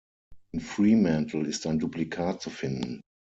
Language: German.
In Fremantle ist ein Duplikat zu finden.